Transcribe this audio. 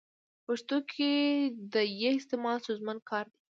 په پښتو کي د ي استعمال ستونزمن کار دی.